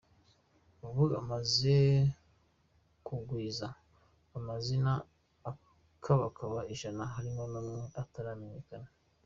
Ubu amaze kugwiza amazina akabakaba ijana harimo n’amwe ataramenyekana.